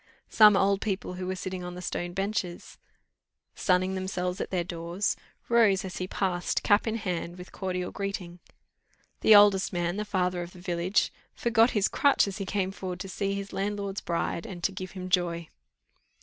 Some old people who were sitting on the stone benches, sunning themselves at their doors, rose as he passed, cap in hand, with cordial greeting. The oldest man, the father of the village, forgot his crutch as he came forward to see his landlord's bride, and to give him joy.